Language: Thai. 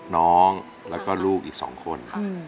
น้องแล้วก็ลูกอีก๒คน